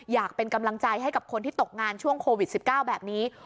อยากเป็นกำลังใจให้กับคนที่ตกงานช่วงโควิด๑๙แบบนี้